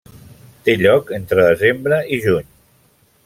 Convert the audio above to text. Té lloc entre desembre i juny.